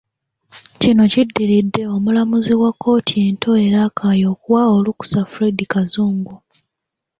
Kino kiddiridde Omulamuzi wa kkooti ento e Rakai okuwa olukusa Fred Kazungu